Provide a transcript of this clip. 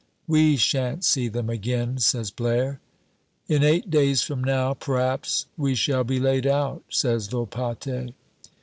"We shan't see them again," says Blaire. "In eight days from now, p'raps we shall be laid out," says Volpatte.